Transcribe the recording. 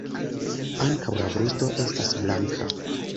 Ankaŭ la brusto estas blanka.